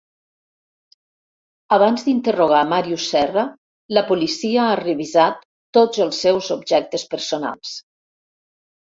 Abans d'interrogar Màrius Serra, la policia ha revisat tots els seus objectes personals.